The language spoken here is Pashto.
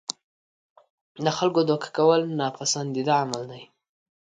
د خلکو دوکه کول ناپسندیده عمل دی.